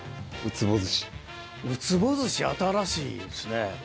ウツボ寿司新しいですね。